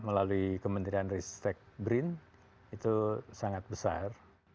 melalui kementerian risk stake brain itu sangat besar